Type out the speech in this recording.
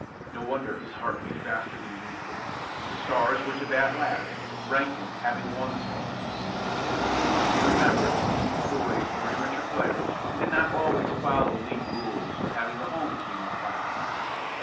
No wonder his heart beat faster than usual. The Stars were to bat last, Rankin having won the toss. It must be remembered that these boys were amateur players and did not always follow league rules of having the home team up last.